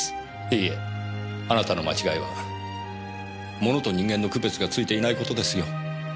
いいえあなたの間違いは物と人間の区別がついていないことですよ。